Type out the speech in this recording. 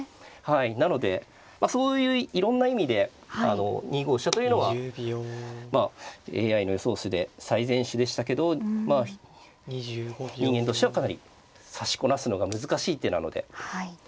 なのでそういういろんな意味で２五飛車というのはまあＡＩの予想手で最善手でしたけどまあ人間としてはかなり指しこなすのが難しい手なので。